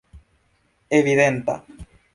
evidenta